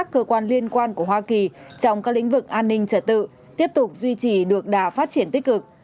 của hoa kỳ trong các lĩnh vực an ninh trở tự tiếp tục duy trì được đả phát triển tích cực